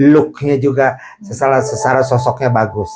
look nya juga sesara sosoknya bagus